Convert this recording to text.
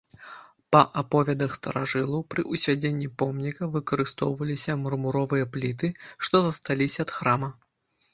Па аповедах старажылаў, пры ўзвядзенні помніка выкарыстоўваліся мармуровыя пліты, што засталіся ад храма.